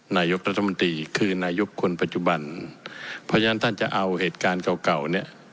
นายกรัฐมนตรีคือนายกคนปัจจุบันเพราะฉะนั้นท่านจะเอาเหตุการณ์เก่าเก่าเนี่ย